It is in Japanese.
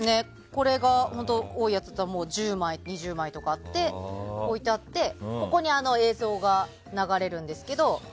これが多いやつだと１０枚２０枚とかあって置いてあってここに映像が流れるんですけど。